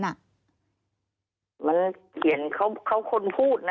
มันเขียนเขาคนพูดนะ